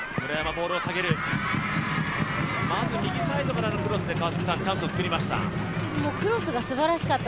まず右サイドからのクロスでチャンスを作りました。